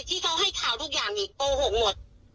ที่เขาให้ข่าวทุกอย่างนี่โปะหกหมดเพราะว่าที่เขาบอกว่า